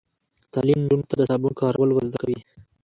تعلیم نجونو ته د صابون کارول ور زده کوي.